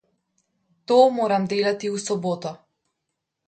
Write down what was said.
To moram delati v soboto.